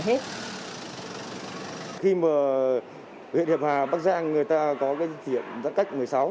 khi mà huyện hiệp hòa bắc giang người ta có cái di chuyển giãn cách một mươi sáu